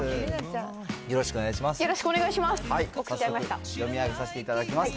よろしくお願いします。